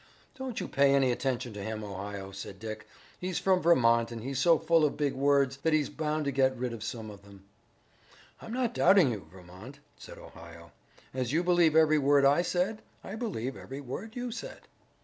"Don't you pay any attention to him, Ohio," said Dick. "He's from Vermont, and he's so full of big words that he's bound to get rid of some of them." "I'm not doubting you, Vermont," said Ohio. "As you believe every word I said, I believe every word you said."